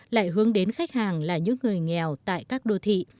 lại hướng đến khách hàng là những người nghèo tại các đô thị